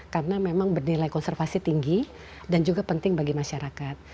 karena memang bernilai konservasi tinggi dan juga penting bagi masyarakat